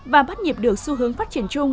và bắt nhịp được xu hướng phát triển chung